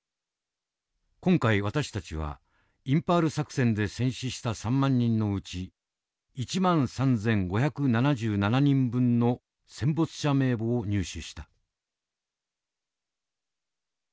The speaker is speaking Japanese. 今回私たちはインパール作戦で戦死した３万人のうち１万３，５７７人分の戦没者名簿を入手した。